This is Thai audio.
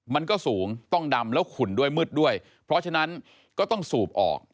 มันก็สูงต้องดำแล้วขุ่นด้วยมืดด้วยเพราะฉะนั้นก็ต้องสูบออก